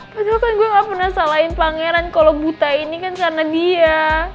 padahal kan gue gak pernah salahin pangeran kalau buta ini kan karena dia